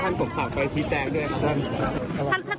ขั้นของภาพไปสิแจ้งด้วยครับ